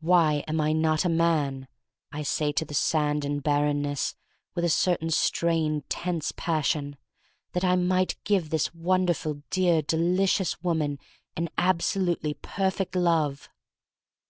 "Why am I not a man," I say to the sand and barrenness with a certain strained, tense passion, "that I might give this wonderful, dear, delicious woman an absolutely perfect love!"